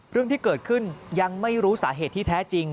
เรื่องที่เกิดขึ้นยังไม่รู้สาเหตุที่แท้จริง